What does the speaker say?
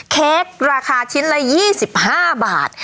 เค้กราคาชิ้นละ๒๕บาท